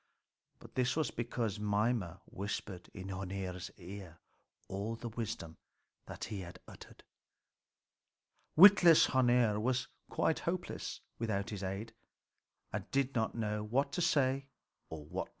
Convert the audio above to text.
But this was because Mimer whispered in Hœnir's ear all the wisdom that he uttered. Witless Hœnir was quite helpless without his aid, and did not know what to do or say.